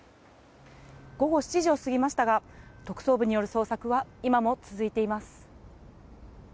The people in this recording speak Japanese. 午後７時を過ぎましたが特捜部による捜索は今も続いています。